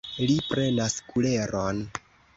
Li prenas kuleron.